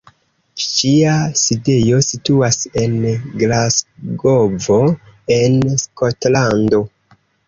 Ĝia sidejo situas en Glasgovo, en Skotlando.